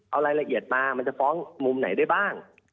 เอารายละเอียดมามันจะฟ้องมุมไหนได้บ้าง